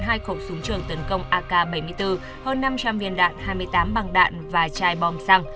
hai khẩu súng trường tấn công ak bảy mươi bốn hơn năm trăm linh viên đạn hai mươi tám bằng đạn và chai bom xăng